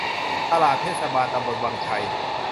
ตลาดเทศบาลตำบลวังชัย